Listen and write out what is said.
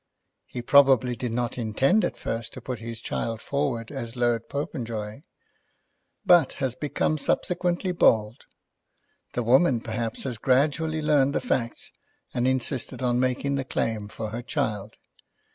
He probably did not intend at first to put his child forward as Lord Popenjoy, but has become subsequently bold. The woman, perhaps, has gradually learned the facts and insisted on making the claim for her child.